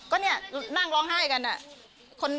ก็นี่นั่งร้องไห้กัน